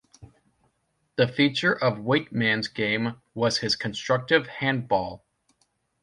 The feature of Weightman's game was his constructive handball.